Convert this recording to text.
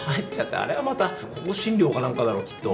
あれはまた香辛料か何かだろきっと。